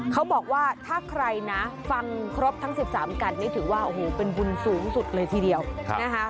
เขาบอกว่าถ้าใครนะฟังครบทั้ง๑๓กันนี่ถือว่าโอ้โหเป็นบุญสูงสุดเลยทีเดียวนะคะ